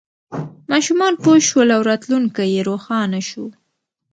ماشومان پوه شول او راتلونکی یې روښانه شو.